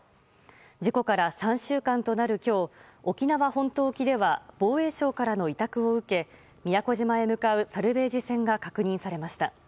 事故から３週間となる今日沖縄本島沖では防衛省からの委託を受け宮古島へ向かうサルベージ船が確認されました。